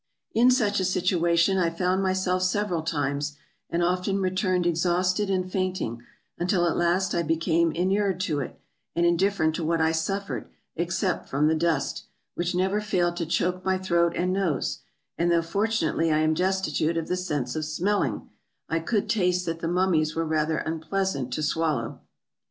In such a situation I found myself several times, and often returned exhausted and fainting, until at last I became inured to it, and indifferent to what I suffered except from the dust, which never failed to choke my throat and nose; and though fortunately I am destitute of the sense of smell ing, I could taste that the mummies were rather unpleasant to swallow.